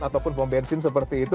ataupun pom bensin seperti itu